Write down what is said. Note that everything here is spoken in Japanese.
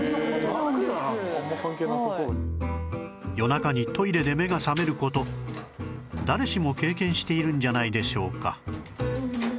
夜中にトイレで目が覚める事誰しも経験しているんじゃないでしょうか？